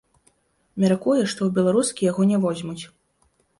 Мяркуе, што ў беларускі яго не возьмуць.